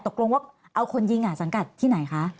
ตกลงว่าเอาคนยิงสังกัดที่ไหนคะ